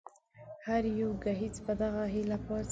هر يو ګهيځ په دغه هيله پاڅي